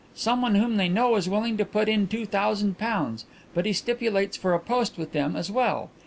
Someone whom they know is willing to put in two thousand pounds, but he stipulates for a post with them as well.